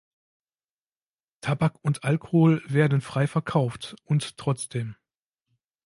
Tabak und Alkohol werden frei verkauft und trotzdem!